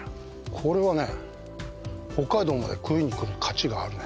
これはね、北海道まで食いに来る価値があるね。